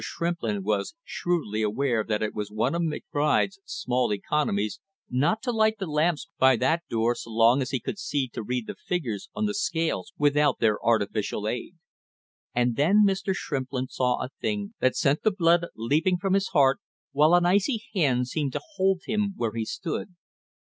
Shrimplin was shrewdly aware that it was one of McBride's small economies not to light the lamps by that door so long as he could see to read the figures on the scales without their artificial aid. And then Mr. Shrimplin saw a thing that sent the blood leaping from his heart, while an icy hand seemed to hold him where he stood.